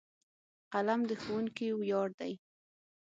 قلم د ښوونکي ویاړ دی.